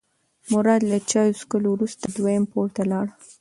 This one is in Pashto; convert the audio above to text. مراد له چای څښلو وروسته دویم پوړ ته لاړ.